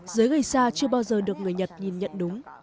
giới geisha chưa bao giờ được người nhật nhìn nhận đúng